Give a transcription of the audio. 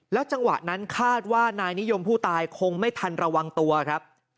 จังหวะนั้นคาดว่านายนิยมผู้ตายคงไม่ทันระวังตัวครับ